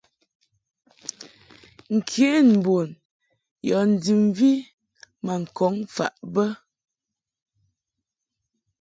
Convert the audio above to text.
Nkenbun yɔ ndib mvi ma ŋkɔŋ faʼ bə.